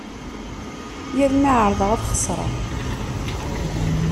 Yal mi εerḍeɣ ad xesreɣ.